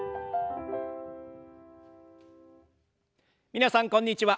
皆さんこんにちは。